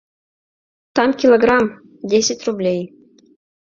Там килограмм — десять рублей.